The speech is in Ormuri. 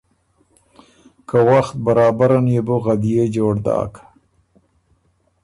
که وخت برابر ان يې بو غدئے جوړ داک،